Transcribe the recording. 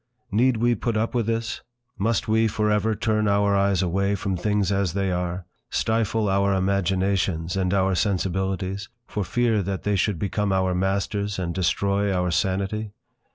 Need we put up with this, must we for ever turn our eyes away from things as they are, stifle our imaginations and our sensibilities, for fear that they should become our masters, and destroy our sanity?